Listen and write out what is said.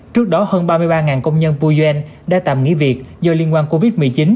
trước đó hơn ba mươi ba công nhân pujen đã tạm nghỉ việc do liên quan covid một mươi chín